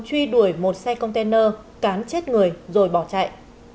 truy đuổi một xe container cán chết người rồi bỏ chạy